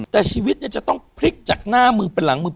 แต่ชีวิตเนี่ยจะต้องพลิกจากหน้ามือเป็นหลังมือ